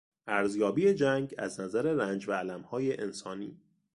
ارزیابی جنگ از نظر رنج و المهای انسانی